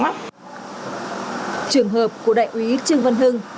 trường hợp của đại úy trương văn hưng